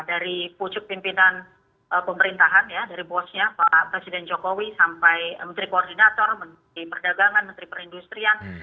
dari pucuk pimpinan pemerintahan ya dari bosnya pak presiden jokowi sampai menteri koordinator menteri perdagangan menteri perindustrian